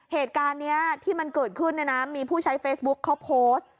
เหตุการณ์นี้ที่มันเกิดขึ้นเนี่ยนะมีผู้ใช้เฟซบุ๊คเขาโพสต์